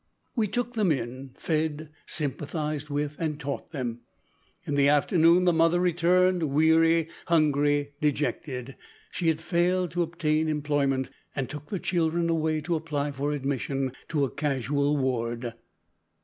We took them in, fed, sympathised with, and taught them. In the afternoon the mother returned weary, hungry, dejected. She had failed to obtain employment, and took the children away to apply for admission to a casual ward."